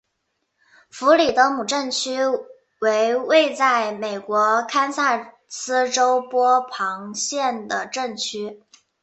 弗里德姆镇区为位在美国堪萨斯州波旁县的镇区。